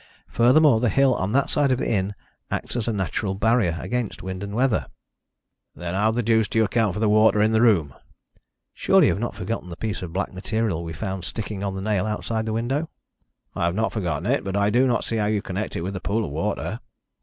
Furthermore, the hill on that side of the inn acts as a natural barrier against rain and weather." "Then how the deuce do you account for the water in the room?" "Surely you have not forgotten the piece of black material we found sticking on the nail outside the window?" "I have not forgotten it, but I do not see how you connect it with the pool of water."